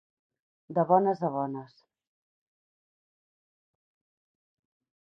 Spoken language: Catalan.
De bones a bones.